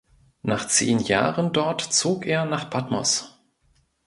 Nach zehn Jahren dort zog er nach Patmos.